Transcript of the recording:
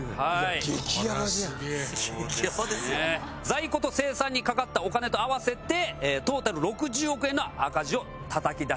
在庫と生産にかかったお金と合わせてトータル６０億円の赤字をたたき出してしまいます。